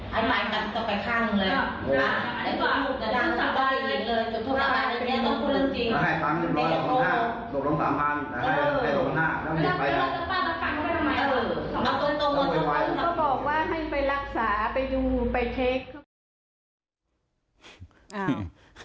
เขาบอกว่าให้ไปรักษาไปดูไปเช็ค